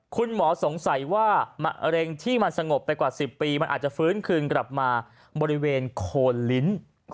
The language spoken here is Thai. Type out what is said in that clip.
คุณหมอสงสัยว่ามะเร็งที่มันสงบไปกว่า๑๐ปีมันอาจจะฟื้นคืนกลับมาบริเวณโคนลิ้น